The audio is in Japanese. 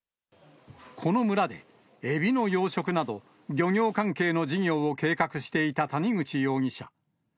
この村で、エビの養殖など、漁業関係の事業を計画していた谷口容疑者。